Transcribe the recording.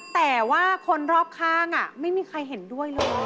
แต่ว่าคนรอบข้างไม่มีใครเห็นด้วยเลย